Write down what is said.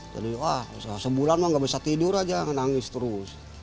jadi sebulan mah nggak bisa tidur aja nangis terus